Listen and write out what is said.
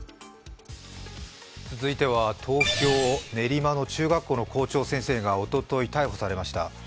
続いては東京・練馬の中学校の校長先生がおととい、逮捕されました。